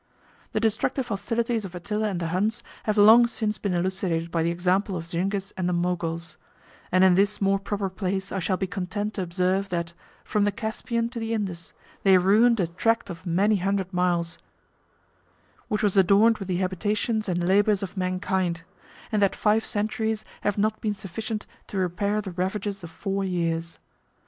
204 The destructive hostilities of Attila and the Huns have long since been elucidated by the example of Zingis and the Moguls; and in this more proper place I shall be content to observe, that, from the Caspian to the Indus, they ruined a tract of many hundred miles, which was adorned with the habitations and labors of mankind, and that five centuries have not been sufficient to repair the ravages of four years.